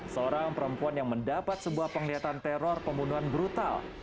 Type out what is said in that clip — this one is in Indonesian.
seorang perempuan yang mendapat sebuah penglihatan teror pembunuhan brutal